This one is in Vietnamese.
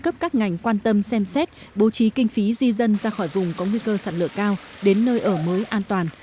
các ngành quan tâm xem xét bố trí kinh phí di dân ra khỏi vùng có nguy cơ sạt lửa cao đến nơi ở mới an toàn